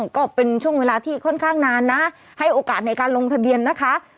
ก็เป็นช่วงเวลาที่ค่อนข้างนานนะให้โอกาสในการลงทะเบียนนะคะ